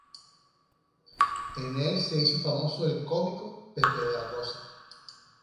En el se hizo famoso el cómico Pepe da Rosa.